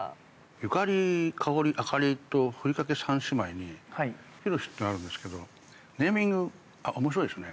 ゆかりかおりあかりとふりかけ三姉妹にひろしっていうのあるんですけどネーミングおもしろいですね。